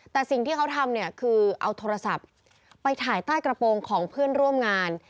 แต่สิ่งที่เขาทำเนี่ยคือเอาโทรศัพท์ไปถ่ายใต้กระโปรงของเพื่อนร่วมงาน